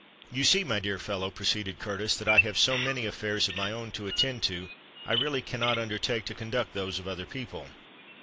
"You see, my dear fellow," proceeded Curtis, "that I have so many affairs of my own to attend to, I really cannot undertake to conduct those of other people.